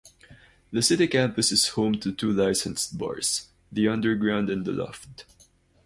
The City Campus is home to two licensed bars, 'The Underground' and 'The Loft'.